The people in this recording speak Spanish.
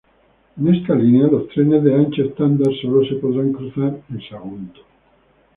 En esta línea los trenes de ancho estándar solo se podrán cruzar en Sagunto.